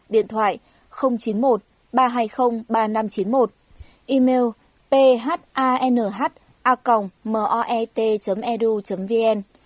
điện thoại chín mươi một ba trăm hai mươi ba nghìn năm trăm chín mươi một email phanh moet edu vn